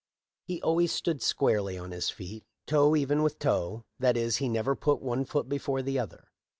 He always stood squarely on his feet, toe even with toe ; that is, he never put one foot before the other.